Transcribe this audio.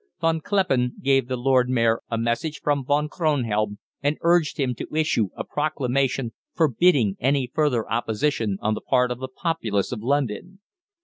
Von Kleppen gave the Lord Mayor a message from Von Kronhelm, and urged him to issue a proclamation forbidding any further opposition on the part of the populace of London.